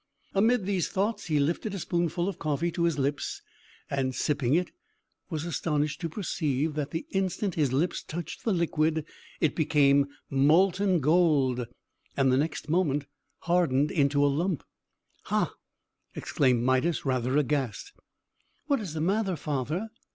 Amid these thoughts, he lifted a spoonful of coffee to his lips, and, sipping it, was astonished to perceive that, the instant his lips touched the liquid, it became molten gold, and, the next moment, hardened into a lump! "Ha!" exclaimed Midas, rather aghast. "What is the matter, father?"